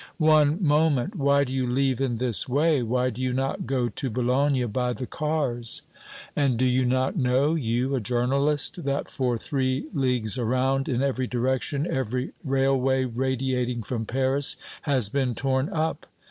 "One moment! Why do you leave in this way? Why do you not go to Boulogne by the cars?" "And do you not know you, a journalist that for three leagues around, in every direction, every railway radiating from Paris has been torn up?